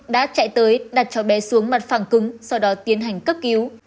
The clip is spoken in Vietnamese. đã chạy tới đặt cho bé xuống mặt phẳng cứng sau đó tiến hành cấp cứu